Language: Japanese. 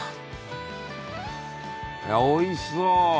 おいしそう！